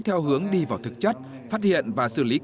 theo hướng đi vào thực chất phát hiện và xử lý kỹ thuật